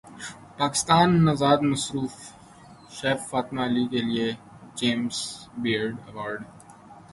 پاکستانی نژاد معروف شیف فاطمہ علی کیلئے جیمز بیئرڈ ایوارڈ کا اعلان